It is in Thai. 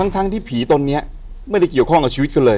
ทั้งที่ผีตนนี้ไม่ได้เกี่ยวข้องกับชีวิตกันเลย